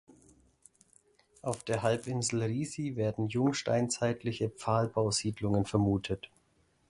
Auf der Halbinsel Risi werden jungsteinzeitliche Pfahlbausiedlungen vermutet.